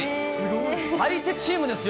相手チームですよ。